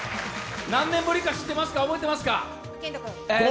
何年ぶりか知ってますか、覚えてますか。